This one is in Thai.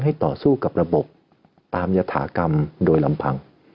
ต่อสู้กับระบบตามยฐากรรมโดยลำพัง